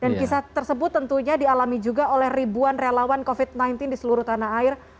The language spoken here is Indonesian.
dan kisah tersebut tentunya dialami juga oleh ribuan relawan covid sembilan belas di seluruh tanah air